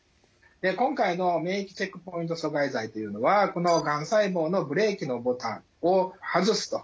で今回の免疫チェックポイント阻害剤というのはこのがん細胞のブレーキのボタンを外すと。